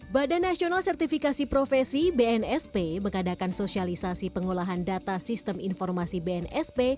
badan nasional sertifikasi profesi bnsp mengadakan sosialisasi pengolahan data sistem informasi bnsp